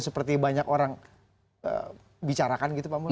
seperti banyak orang bicarakan gitu pak mul